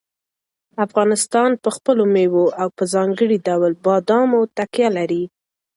افغانستان په خپلو مېوو او په ځانګړي ډول بادامو تکیه لري.